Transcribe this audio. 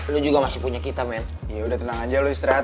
lu juga masih punya kita men ya udah tenang aja lu istirahat ya